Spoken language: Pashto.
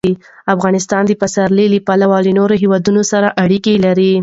افغانستان د پسرلی له پلوه له نورو هېوادونو سره اړیکې لري.